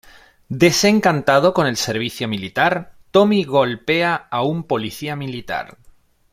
Desencantado con el servicio militar, Tommy golpea a un Policía militar.